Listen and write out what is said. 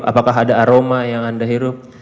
apakah ada aroma yang anda hirup